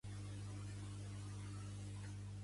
El campanar de les Ventalles creixia.